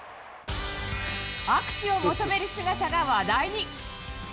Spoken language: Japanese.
握手を求める姿が話題に。